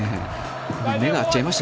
目が合っちゃいました